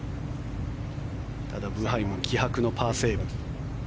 ただ、ブハイも気迫のパーセーブ。